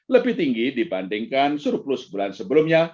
lebih tinggi dibandingkan seru plus bulan sebelumnya